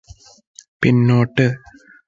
പിന്നോട്ട്